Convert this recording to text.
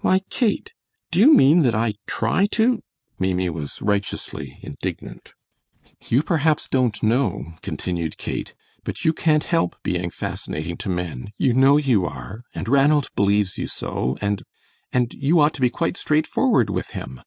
"Why, Kate, do you mean that I try to " Maimie was righteously indignant. "You perhaps don't know," continued Kate, "but you can't help being fascinating to men; you know you are, and Ranald believes you so, and and you ought to be quite straightforward with him!"